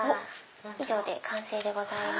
以上で完成でございます。